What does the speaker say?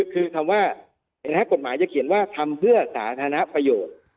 คือคำว่ากฎหมายจะเขียนว่าทำเพื่อสาธารณประโยชน์